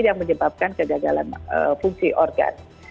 yang menyebabkan kegagalan fungsi organ